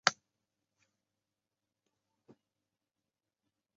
上陈遗址是位于中国陕西省蓝田县玉山镇上陈村的一处旧石器时代遗址。